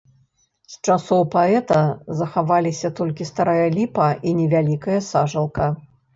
З часоў паэта захаваліся толькі старая ліпа і невялікая сажалка.